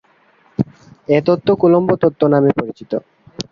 এ তত্ত্ব কুলম্ব তত্ত্ব নামে পরিচিত।